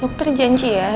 dokter janji ya